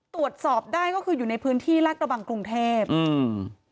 ตรวจสอบได้ก็คืออยู่ในพื้นที่ลากระบังกรุงเทพอืม